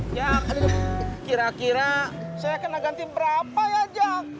jack kira kira saya kena ganti berapa ya jack